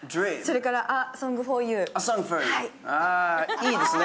いいですね。